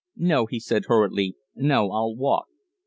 "No," he said, hurriedly. "No. I'll walk."